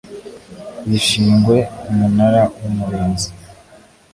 bishingwe Umunara w Umurinzi